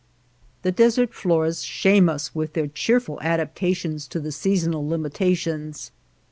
The desert floras shame us with their cheerful adaptations to the seasonal limita tions.